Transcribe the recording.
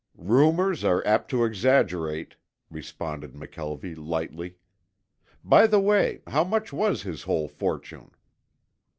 "Rumors are apt to exaggerate," responded McKelvie lightly. "By the way, how much was his whole fortune?"